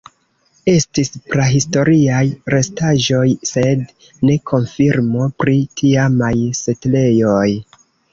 Estis prahistoriaj restaĵoj sed ne konfirmo pri tiamaj setlejoj.